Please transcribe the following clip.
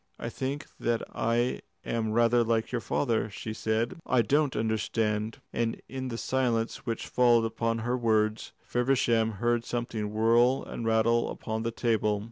"I think that I am rather like your father," she said. "I don't understand;" and in the silence which followed upon her words Feversham heard something whirr and rattle upon the table.